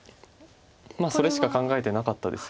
それしか考えてなかったです。